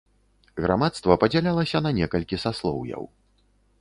Грамадства падзялялася на некалькі саслоўяў.